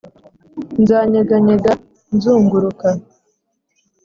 nzanyeganyega, nzunguruka